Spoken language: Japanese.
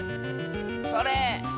それ！